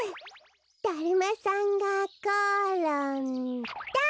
だるまさんがころんだ！